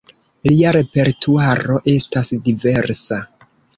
Lia repertuaro estas diversa.